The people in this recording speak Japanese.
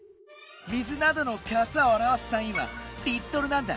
水などのかさをあらわすたんいは「リットル」なんだ。